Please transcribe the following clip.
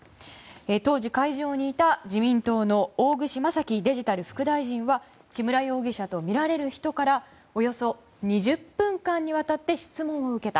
当時、会場にいた自民党の大串正樹デジタル副大臣は木村容疑者とみられる人からおよそ２０分間にわたって質問を受けた。